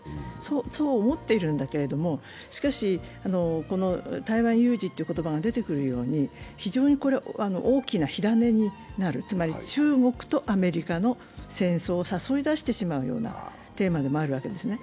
そう思ってはいますがしかし台湾有事という言葉が出てくるように非常に大きな火種になる、つまり中国とアメリカの戦争を誘い出してしまうようなテーマでもあるわけですね。